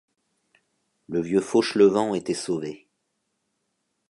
Le vieux Fauchelevent était sauvé.